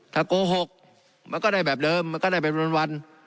ถ้าโกหกมันก็ได้แบบเดิมมันก็ได้เป็นวัน